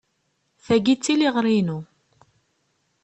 Tagi d tiliɣri-inu.